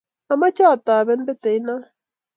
amache atobin peteit noo.